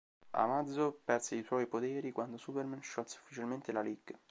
Amazo perse i suoi poteri quando Superman sciolse ufficialmente la League.